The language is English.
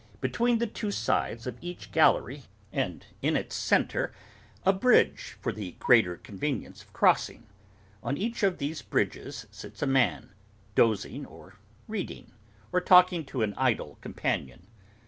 Between the two sides of each gallery, and in its centre, a bridge, for the greater convenience of crossing. On each of these bridges sits a man: dozing or reading, or talking to an idle companion.